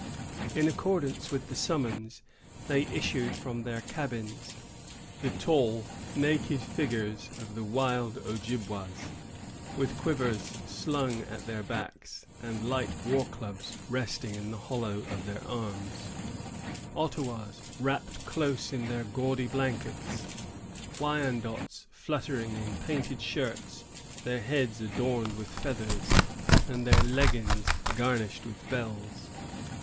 In accordance with the summons, they issued from their cabins: the tall, naked figures of the wild Ojibwas, with quivers slung at their backs, and light war clubs resting in the hollow of their arms; Ottawas, wrapped close in their gaudy blankets; Wyandots, fluttering in painted shirts, their heads adorned with feathers, and their leggins garnished with bells.